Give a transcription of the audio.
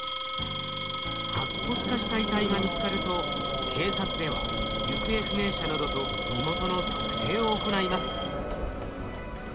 白骨化した遺体が見つかると警察では行方不明者などと身元の特定を行います。